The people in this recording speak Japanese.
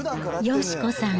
佳子さん